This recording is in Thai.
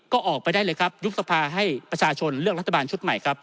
ก็ออกไปได้เลยครับยุบสภาให้ประชาชนเลือกรัฐบาลชุดใหม่ครับ